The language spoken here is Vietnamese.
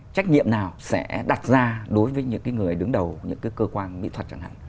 trách nhiệm nào sẽ đặt ra đối với những cái người đứng đầu những cái cơ quan mỹ thuật chẳng hạn